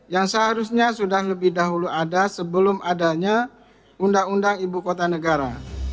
yang seharusnya sudah lebih dahulu ada sebelum adanya undang undang ibu kota negara